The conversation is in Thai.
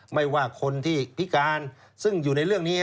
ไม่ว่าคนที่พิการซึ่งอยู่ในเรื่องนี้